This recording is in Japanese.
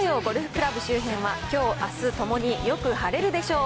倶楽部周辺は、きょう、あすともによく晴れるでしょう。